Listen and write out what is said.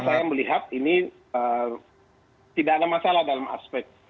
saya melihat ini tidak ada masalah dalam aspek